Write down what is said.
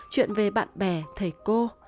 chuyện về bạn bè thầy cô